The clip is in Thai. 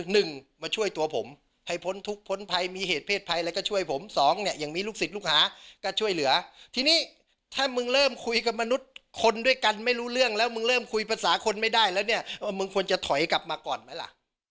หนึ่งมาช่วยตัวผมให้พ้นทุกข์พ้นภัยมีเหตุเพศภัยอะไรก็ช่วยผมสองเนี่ยยังมีลูกศิษย์ลูกหาก็ช่วยเหลือทีนี้ถ้ามึงเริ่มคุยกับมนุษย์คนด้วยกันไม่รู้เรื่องแล้วมึงเริ่มคุยภาษาคนไม่ได้แล้วเนี่ยว่ามึงควรจะถอยกลับมาก่อนไหมล่ะ